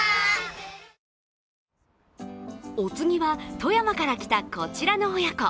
お次は、富山から来たこちらの親子。